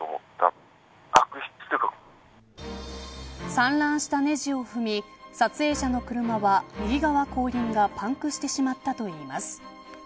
散乱したねじを踏み撮影者の車は右側後輪がパンクしてしまったといいます。